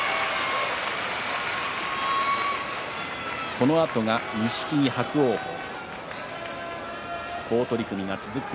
このあとは錦木と伯桜鵬好取組が続く